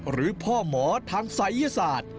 หรือพ่อหมอทางศัยยศาสตร์